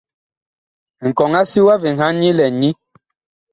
Nkɔŋ-a-si wa veŋhan nyi lɛn nyi.